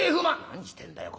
「何してんだよ